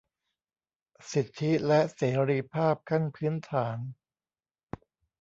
สิทธิและเสรีภาพขั้นพื้นฐาน